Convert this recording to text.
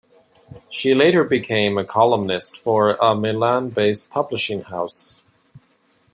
She later became a columnist for a Milan-based publishing house.